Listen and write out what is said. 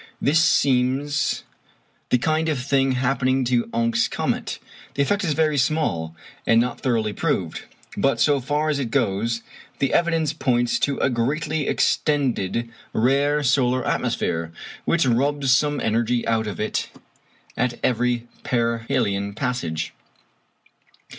This seems the kind of thing happening to Encke's comet. The effect is very small, and not thoroughly proved; but, so far as it goes, the evidence points to a greatly extended rare solar atmosphere, which rubs some energy out of it at every perihelion passage.